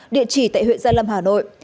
địa chỉ tại huyện gia lâm hà nội